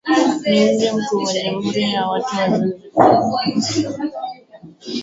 Ni mji mkuu wa Jamhuri ya Watu wa Zanzibar